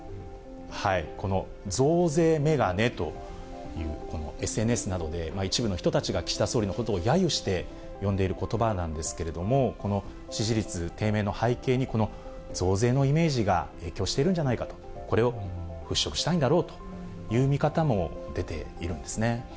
この増税メガネというこのＳＮＳなどで一部の人たちが岸田総理のことをやゆして呼んでいることばなんですけれども、この支持率低迷の背景に、この増税のイメージが影響してるんじゃないかと、これを払拭したいんだろうという見方も出ているんですね。